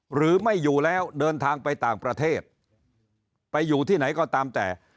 หรือไม่อยู่แล้วเดินทางไปต่างประเทศไปอยู่ที่ไหนก็ตามแต่